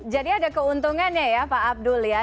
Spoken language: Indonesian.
jadi ada keuntungannya ya pak abdul ya